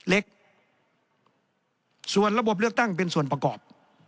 เล็กส่วนระบบเลือกตั้งเป็นส่วนประกอบ